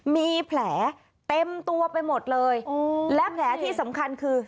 มีแผลเต็มตัวไปหมดเลยและแผลที่สำคัญคือ